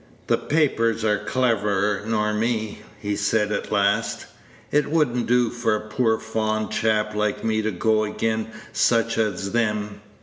"The papers are cleverer nor me," he said at last; "it would n't do for a poor fond chap like me to go again' such as them.